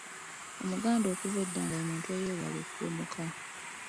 Omuganda okuva edda nga ye muntu eyeewala okuwemuka.